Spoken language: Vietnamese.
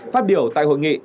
phát biểu tại hội nghị